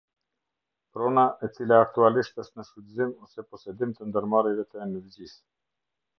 Prona e cila aktualisht është në shfrytëzim ose posedim të ndërmarrjeve të energjisë.